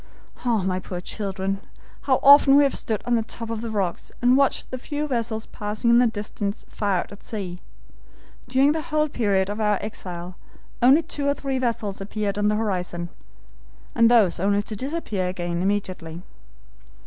"Ah, my poor children! how often we have stood on the top of the rocks and watched the few vessels passing in the distance far out at sea. During the whole period of our exile only two or three vessels appeared on the horizon, and those only to disappear again immediately.